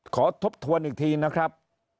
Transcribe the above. ทบทวนอีกทีนะครับ